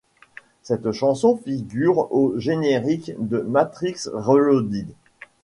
Cette chanson figure au générique de Matrix Reloaded.